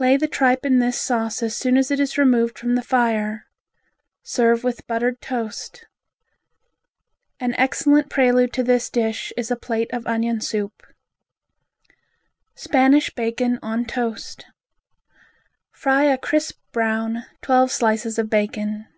Lay the tripe in this sauce as soon as it is removed from the fire. Serve with buttered toast. An excellent prelude to this dish is a plate of onion soup. Spanish Bacon on Toast Fry a crisp brown, twelve slices of bacon.